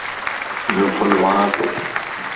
يو ڦل وڻھه